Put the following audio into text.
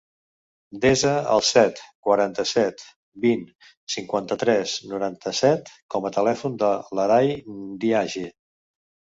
Desa el set, quaranta-set, vint, cinquanta-tres, noranta-set com a telèfon de l'Aray Ndiaye.